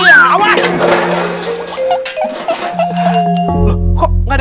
awan awan hati hati anggel banget ya